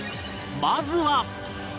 まずは